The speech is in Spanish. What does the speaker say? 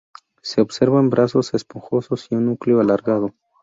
Se observan brazos esponjosos y un núcleo alargado.